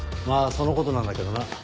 まぁそのことなんだけどな。